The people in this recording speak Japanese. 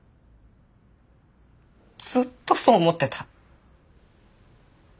ずっとそう思ってた。